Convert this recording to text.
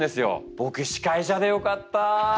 僕司会者でよかった。